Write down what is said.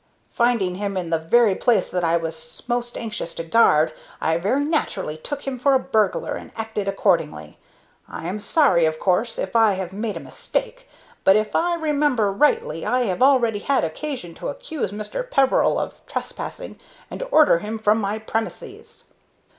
Finding him in the very place that I was most anxious to guard, I very naturally took him for a burglar, and acted accordingly. I am sorry, of course, if I have made a mistake; but, if I remember rightly, I have already had occasion to accuse Mr. Peveril of trespassing, and to order him from my premises."